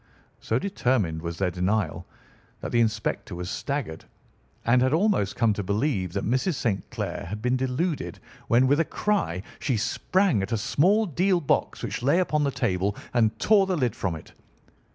So determined was their denial that the inspector was staggered, and had almost come to believe that Mrs. St. Clair had been deluded when, with a cry, she sprang at a small deal box which lay upon the table and tore the lid from it.